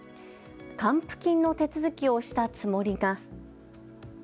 還付金の手続きをしたつもりが。